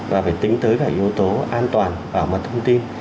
và phải tính tới cả yếu tố an toàn và mặt thông tin